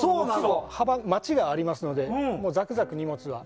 マチがありますのでざくざく、荷物は。